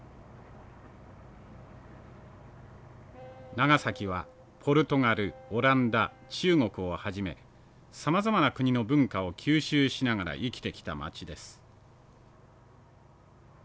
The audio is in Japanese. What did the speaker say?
長崎はポルトガルオランダ中国をはじめさまざまな国の文化を吸収しながら生きてきた街です。